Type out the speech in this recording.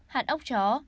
hạt ốc chó